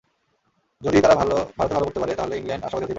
যদি তারা ভারতে ভালো করতে পারে, তাহলে ইংল্যান্ড আশাবাদী হতেই পারে।